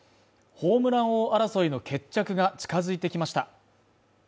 ホームラン王争いの決着が近づいてきました